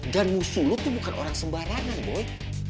dan musuh lo tuh bukan orang sembarangan boy